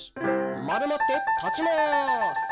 まるまって立ちまーす。